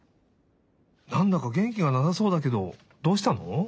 なんだかげんきがなさそうだけどどうしたの？